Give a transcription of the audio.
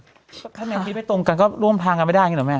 ถ้าแนวคิดไม่ตรงกันก็ร่วมทางกันไม่ได้อย่างนี้เหรอแม่